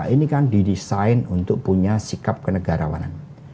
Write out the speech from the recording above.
ini kan didesain untuk punya sikap kenegarawanan